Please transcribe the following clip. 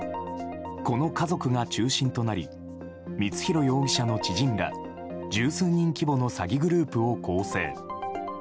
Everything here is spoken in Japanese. この家族が中心となり光弘容疑者の知人が十数人規模の詐欺グループを構成。